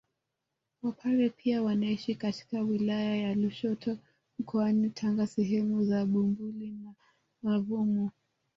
Wapare pia wanaishi katika wilaya ya Lushoto mkoani Tanga sehemu za Bumbuli na Mavumo